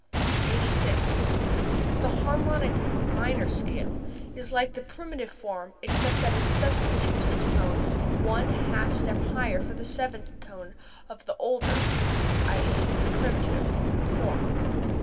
86. The harmonic minor scale is like the primitive form except that it substitutes a tone one half step higher for the seventh tone of the older (i.e., the primitive) form.